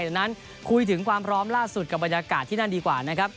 ดังนั้นคุยถึงความพร้อมล่าสุดกับบรรยากาศที่นั่นดีกว่านะครับ